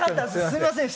すいません。